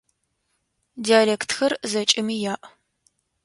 Диалектхэр зэкӏэми яӏ.